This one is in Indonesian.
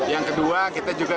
yang kedua kita juga